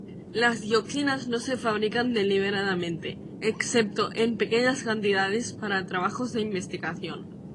Las dioxinas no se fabrican deliberadamente, excepto en pequeñas cantidades para trabajos de investigación.